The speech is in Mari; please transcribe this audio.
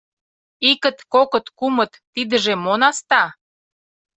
Икыт, кокыт, кумытТидыже мо наста?